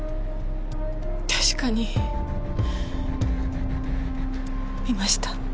確かに見ました。